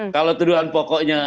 kalau tuduhan pokoknya